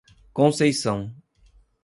Conceição